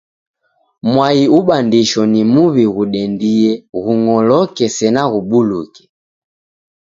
Mwai ubandisho na muw'i ghudendie, ghung'oloke, sena ghubuluke.